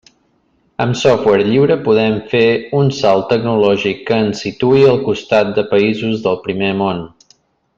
Amb software lliure podem fer un salt tecnològic que ens situï al costat de països del Primer Món.